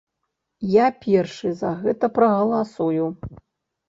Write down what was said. Я першы за гэта прагаласую.